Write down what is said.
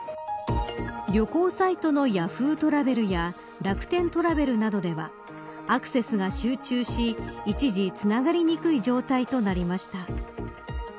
旅行サイトのＹａｈｏｏ！トラベルや楽天トラベルなどではアクセスが集中し一時、つながりにくい状態となりました。